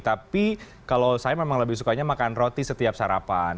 tapi kalau saya memang lebih sukanya makan roti setiap sarapan